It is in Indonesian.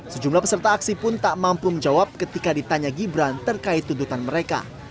sejumlah peserta aksi pun tak mampu menjawab ketika ditanya gibran terkait tuntutan mereka